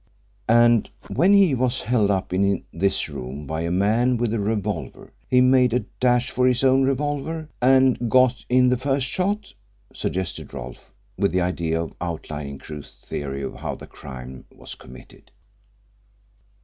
"And when he was held up in this room by a man with a revolver he made a dash for his own revolver and got in the first shot?" suggested Rolfe, with the idea of outlining Crewe's theory of how the crime was committed.